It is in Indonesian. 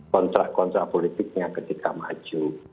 kontrak kontrak politiknya ketika maju